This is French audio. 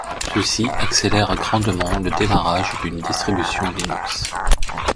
Ceci accélère grandement le démarrage d'une distribution Linux.